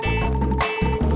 siar di situ pun